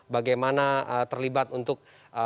bagaimana terlibat untuk